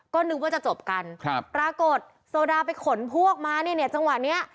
ก็นึกว่าจะจบกันครับปรากฏโซดาไปขนพวกมาเนี่ยเนี่ยจังหวะเนี้ย